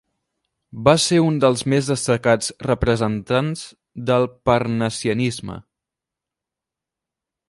Va ser un dels més destacats representants del parnassianisme.